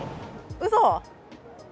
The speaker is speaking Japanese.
うそ？